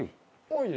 おい。